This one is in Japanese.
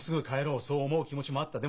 そう思う気持ちもあった。